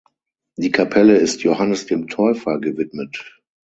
Die Kapelle ist Johannes dem Täufer gewidmet.